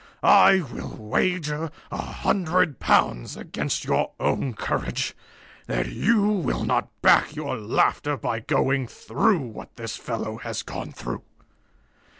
I will wager a hundred pounds against your own courage that you will not back your laughter by going through what this fellow has gone through.